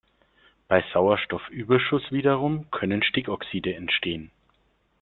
Bei Sauerstoffüberschuss wiederum können Stickoxide entstehen.